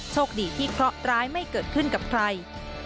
โชคดีที่เคราะห์ร้ายไม่เกิดขึ้นกับใคร